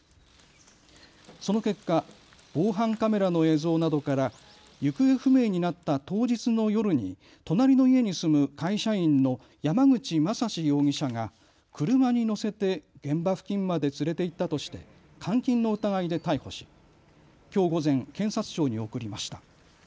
その結果、防犯カメラの映像などから行方不明になった当日の夜に隣の家に住む会社員の山口正司容疑者が車に乗せて現場付近まで連れて行ったとして監禁の疑いで逮捕しきょう午前、検察庁に送りました。